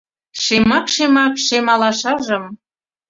Шемак-шемак шем алашажым